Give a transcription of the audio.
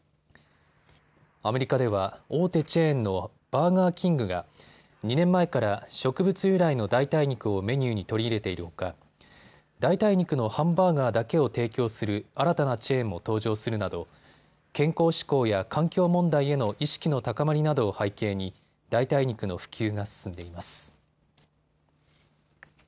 アメリカでは大手チェーンのバーガーキングが２年前から植物由来の代替肉をメニューに取り入れているほか代替肉のハンバーガーだけを提供する新たなチェーンも登場するなど健康志向や環境問題への意識の高まりなどを背景に代替肉の普及が進んでいます。